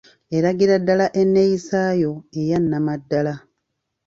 Eragira ddala enneeyisaayo eya nnamaddala.